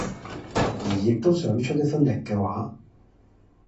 而亦都想出一分力嘅話